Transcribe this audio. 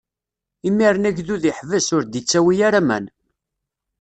Imiren agdud iḥbes, ur d-ittawi ara aman.